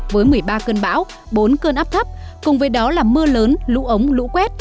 với một mươi ba cơn bão bốn cơn áp thấp cùng với đó là mưa lớn lũ ống lũ quét